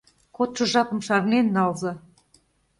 Кодшо жапым шарнен налза!